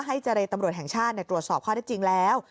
เจรตำรวจแห่งชาติตรวจสอบข้อได้จริงแล้ว